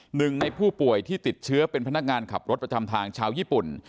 หนึ่งในผู้ป่วยที่ติดเชื้อเป็นพนักงานขับรถประจำทางชาวญี่ปุ่น